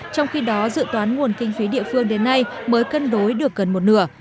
trong khi đó dự toán nguồn kinh phí địa phương đến nay mới cân đối được gần một nửa